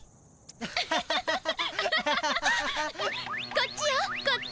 こっちよこっち。